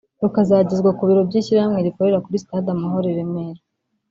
rukazagezwa ku biro by’ishyirahamwe bikorera kuri Stade Amahoro i Remera